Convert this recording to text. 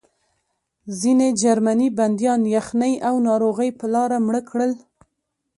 ځینې جرمني بندیان یخنۍ او ناروغۍ په لاره مړه کړل